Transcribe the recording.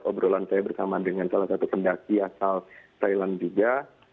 obrolan saya bersama dengan salah satu pendaki asal thailand juga